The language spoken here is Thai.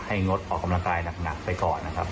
งดออกกำลังกายหนักไปก่อนนะครับ